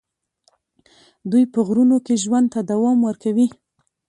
دوی په غرونو کې ژوند ته دوام ورکوي.